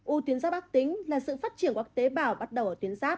u tiến giáp ác tính là sự phát triển của các tế bào bắt đầu ở tiến giáp